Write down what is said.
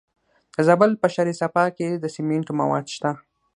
د زابل په شهر صفا کې د سمنټو مواد شته.